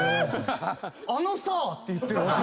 「あのさ」って言ってる。